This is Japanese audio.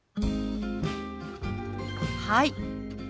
「はい」